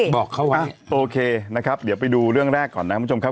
บอกเขาไว้โอเคนะครับเดี๋ยวไปดูเรื่องแรกก่อนนะครับคุณผู้ชมครับ